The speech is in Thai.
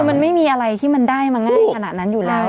มันไม่มีอะไรที่มันได้มาง่ายขนาดนั้นอยู่แล้ว